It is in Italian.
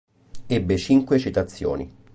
Ebbe cinque citazioni.